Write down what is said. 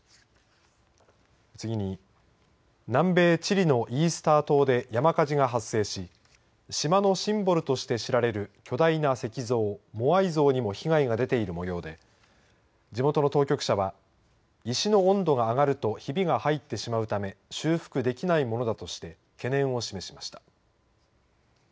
次に、南米チリのイースター島で山火事が発生し島のシンボルとして知られる巨大な石像モアイ像にも被害が出ている模様で地元の当局者は石の温度が上がるとひびが入ってしまうため修復できないものだとして懸念を示しました。